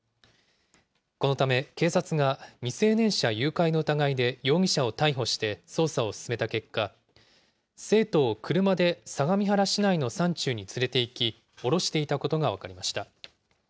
このため警察が未成年者誘拐の疑いで容疑者を逮捕して、捜査を進めた結果、生徒を車で相模原市内の山中に連れていき、降ろしていたことが分かりました。